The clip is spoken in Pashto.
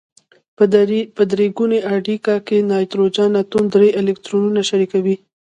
په درې ګونې اړیکه کې نایتروجن اتوم درې الکترونونه شریکوي.